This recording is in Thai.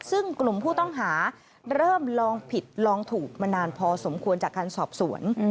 ซึ่งกลุ่มผู้ต้องหาเริ่มลองผิดลองถูกมานานพอสมควรจากการสอบสวน